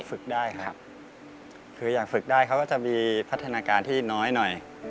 ฝึกได้ครับคืออยากฝึกได้เขาก็จะมีพัฒนาการที่น้อยหน่อย